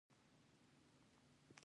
د دې جلګو پراخه سیمې د غنمو کروندو نیولې.